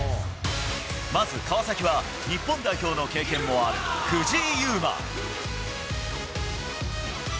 まず、川崎は、日本代表の経験もある藤井祐眞。